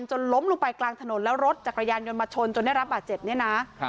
จนล้มลงไปกลางถนนแล้วรถจักรยานยนต์มาชนจนได้รับบาดเจ็บเนี่ยนะ